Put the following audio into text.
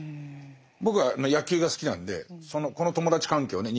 僕は野球が好きなんでこの友達関係をね